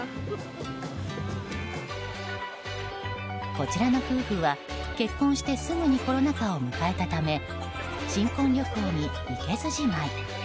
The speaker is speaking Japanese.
こちらの夫婦は結婚してすぐにコロナ禍を迎えたため新婚旅行に行けずじまい。